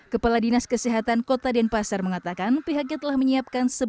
kepala dinas kesehatan kota denpasar mengatakan pihaknya telah menyiapkan